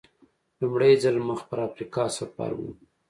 لومړی ځل مخ پر افریقا سفر و.